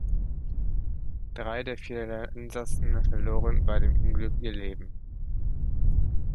Drei der vier Insassen verloren bei dem Unglück ihr Leben.